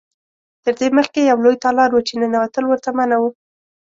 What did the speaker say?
تر دې مخکې یو لوی تالار و چې ننوتل ورته منع و.